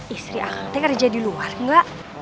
istri akang teh kerja di luar ga